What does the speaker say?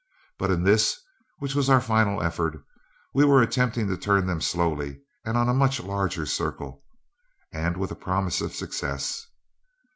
But in this, which was our final effort, we were attempting to turn them slowly and on a much larger circle, and with a promise of success.